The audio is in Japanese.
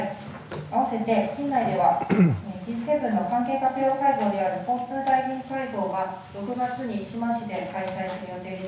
併せて県内では、Ｇ７の関係閣僚会合である交通大臣会合が、６月に志摩市で開催する予定です。